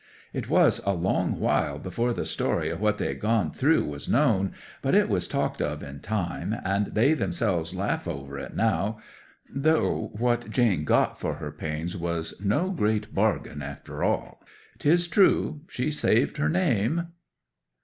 'It was a long while before the story of what they had gone through was known, but it was talked of in time, and they themselves laugh over it now; though what Jane got for her pains was no great bargain after all. 'Tis true she saved her name.